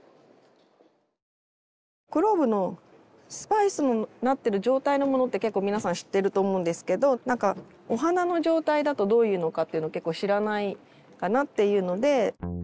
クローブのスパイスになってる状態のものって結構皆さん知っていると思うんですけどお花の状態だとどういうのかっていうの結構知らないかなっていうので。